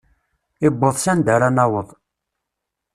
Iwweḍ s anda ara naweḍ.